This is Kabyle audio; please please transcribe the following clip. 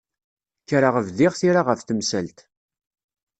Kkreɣ bdiɣ tira ɣef temsalt.